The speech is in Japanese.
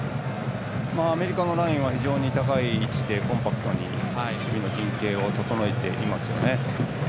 アメリカのラインは非常に高い位置でコンパクトに守備の陣形を整えていますね。